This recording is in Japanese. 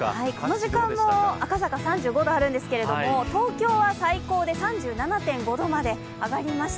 この時間も赤坂３５度あるんですけれども、東京は最高で３７．５度まで上がりました。